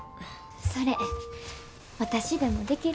それ私でもできる？